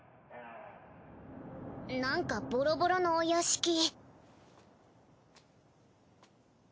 なんかボロボロのお屋敷。